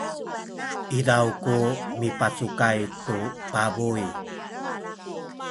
izaw ku mipacukay tu pabuy